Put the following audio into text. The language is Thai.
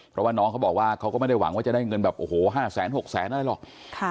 เพราะว่าน้องเขาบอกว่าเขาก็ไม่ได้หวังว่าจะได้เงินแบบโอ้โห๕แสน๖แสนอะไรหรอก